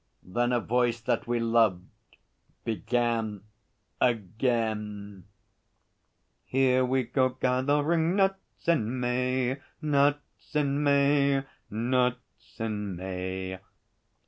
Then a voice that we loved began again: 'Here we go gathering nuts in May nuts in May nuts in May!'